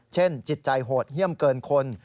จิตใจโหดเยี่ยมเกินคน